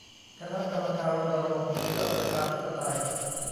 คณะกรรมการรณรงค์เพื่อประชาธิปไตย